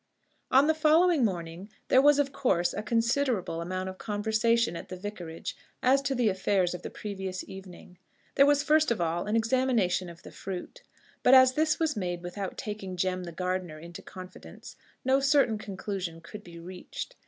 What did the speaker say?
On the following morning there was of course a considerable amount of conversation at the Vicarage as to the affairs of the previous evening. There was first of all an examination of the fruit; but as this was made without taking Jem the gardener into confidence, no certain conclusion could be reached.